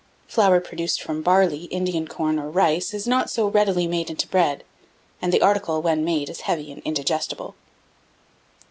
Flour produced from barley, Indian corn, or rice, is not so readily made into bread; and the article, when made, is heavy and indigestible.